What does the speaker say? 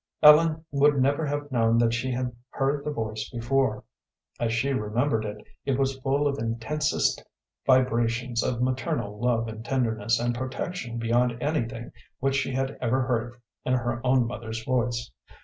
Ellen would never have known that she had heard the voice before. As she remembered it, it was full of intensest vibrations of maternal love and tenderness and protection beyond anything which she had ever heard in her own mother's voice.